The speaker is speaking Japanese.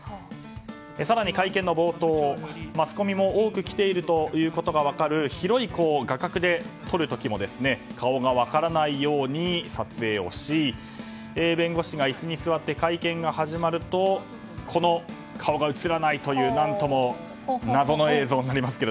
更に会見の冒頭、マスコミも多く来ていることが分かる広い画角で撮る時も顔が分からないように撮影をし弁護士が椅子に座って会見が始まると顔が映らないという何とも謎の映像になりますが。